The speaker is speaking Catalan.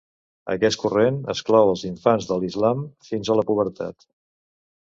Aquest corrent exclou els infants de l'islam fins a la pubertat.